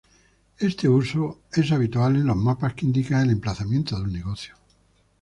Este uso es habitual en los mapas que indican el emplazamiento de un negocio.